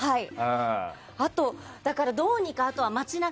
あと、だからどうにか街中。